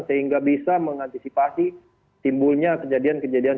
sehingga bisa mengantisipasi timbulnya kejadian kejadian